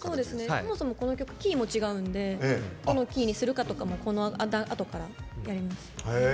そもそも、この曲キーも違うのでどのキーにするかとかもこのあとからやりました。